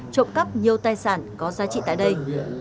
trộm cắp nhiều tài sản có giá trị tại đây